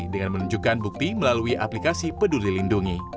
dengan menunjukkan bukti melalui aplikasi peduli lindungi